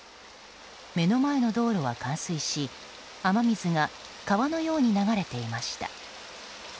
目の前の道路は冠水し雨水が川のように流れていました。